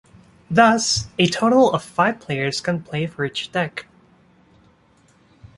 Thus, a total of five players can play for each deck.